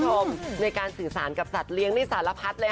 ให้เดินบ้านพอตัวใหญ่มากเลย